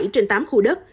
bảy trên tám khu đất